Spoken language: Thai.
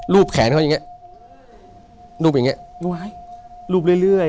รูปแขนเขาอย่างนี้รูปอย่างนี้